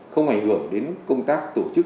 không ảnh hưởng đến công tác tổ chức